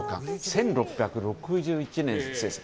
１６６１年制作。